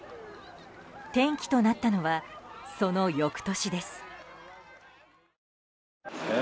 転機となったのはその翌年です。